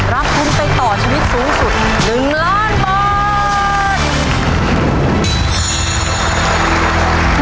รับทุนไปต่อชีวิตสูงสุด๑ล้านบาท